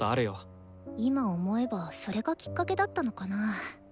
今思えばそれがきっかけだったのかな？